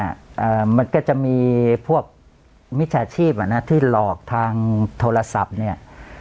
อ่ามันก็จะมีพวกมิจฉาชีพอ่ะนะที่หลอกทางโทรศัพท์เนี้ย